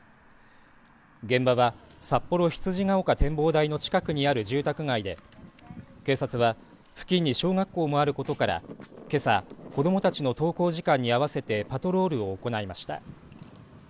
現場は、さっぽろ羊ヶ丘展望台の近くにある住宅街で警察は付近に小学校もあることからけさ、子どもたちの登校時間に合わせてパトロールを行いました。